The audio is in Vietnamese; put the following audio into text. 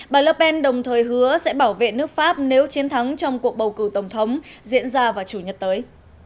bà lerpen đồng thời hứa sẽ bảo vệ nước pháp nếu chiến thắng trong cuộc bầu cử tổng thống diễn ra vào chủ nhật tới